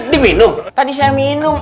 di minum tadi saya minum